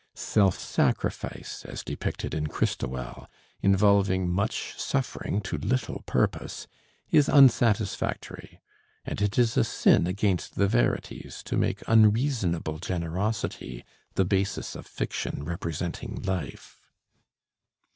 Self sacrifice as depicted in 'Christowell,' involving much suffering to little purpose, is unsatisfactory; and it is a sin against the verities to make unreasonable generosity the basis of fiction representing life.